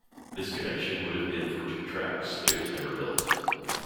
This connection would have been for two tracks, but it was never built.